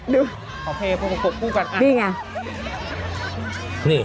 ดูนี่ไง